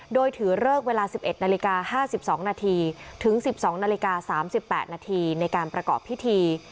โดยถือเลิกเวลาสิบเอ็ดนาฬิกาห้าสิบสองนาทีถึงสิบสองนาฬิกาสามสิบแปดนาทีในการประกอบพิธี